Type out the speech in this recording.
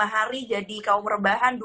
tiga hari jadi kaum rebahan